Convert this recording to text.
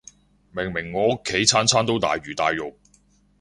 明明我屋企餐餐都大魚大肉